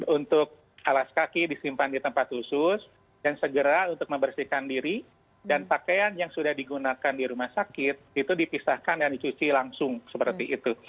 untuk alas kaki disimpan di tempat khusus dan segera untuk membersihkan diri dan pakaian yang sudah digunakan di rumah sakit itu dipisahkan dan dicuci langsung seperti itu